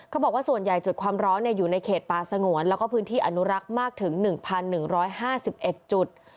เขาบอกว่าส่วนใหญ่จุดความร้อนอยู่ในเขตป่าสงวนแล้วก็พื้นที่อนุรักษ์มากถึง๑๑๕๑จุด